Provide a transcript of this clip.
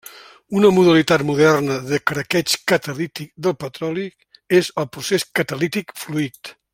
Una modalitat moderna de craqueig catalític del petroli és el procés catalític fluid.